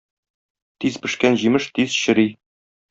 Тиз пешкән җимеш тиз чери.